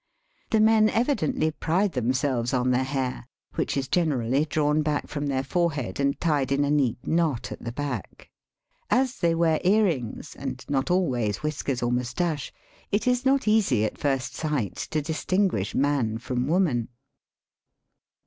The men evidently pride themselves on their hair, which is generally drawn back from their forehead and tied in a neat knot at the back. As they wear earrings, and not always whiskers or moustache, it is not easy at first sight to distinguish man from woman.